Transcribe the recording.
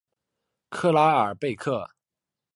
克拉尔贝克。